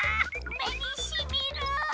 めにしみる！